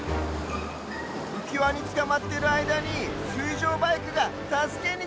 うきわにつかまってるあいだにすいじょうバイクがたすけにきた！